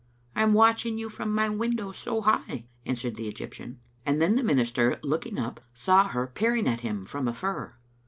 "I am watching you from my window so high," answered the Egyptian ; and then the minister, looking up, saw her peering at him from a fir.